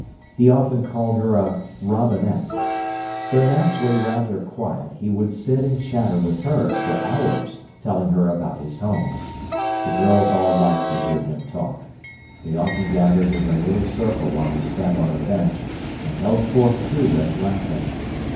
He often called her a "robinet". Though naturally rather quiet, he would sit and chatter with her for hours telling her about his home. The girls all liked to hear him talk. They often gathered in a little circle while he sat on a bench, and held forth to them, laughing.